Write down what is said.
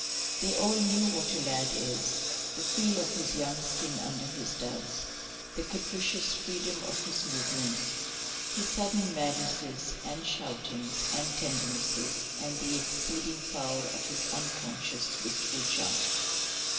They all knew what a lad is the feel of his young skin under his "duds," the capricious freedom of his movements, his sudden madnesses and shoutings and tendernesses, and the exceeding power of his unconscious wistful charm.